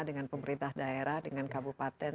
dengan pemerintah daerah dengan kabupaten